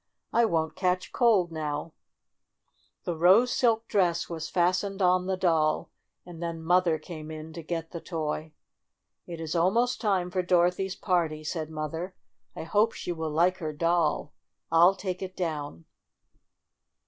I won't catch cold now." THE BIRTHDAY PARTY 57 The rose silk dress was fastened on the doll, and then Mother came to get the toy. "It is almost time for Dorothy's party," said Mother. "I hope she will like her doll. I'll take it down."